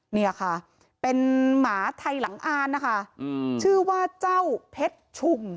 เนี่ยค่ะเป็นหมาไทยหลังอ่านนะคะชื่อว่าเจ้าเพชรชุม